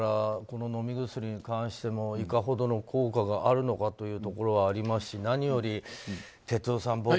飲み薬に関してもいかほどの効果があるのかというところはありますし何より、哲夫さん